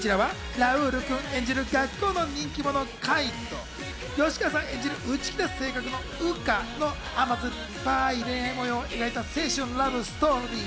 こちらはラウールくん演じる学校の人気者・界と、吉川さん演じる内気な性格の羽花の甘酸っぱい恋愛模様を描いた青春ラブストーリー。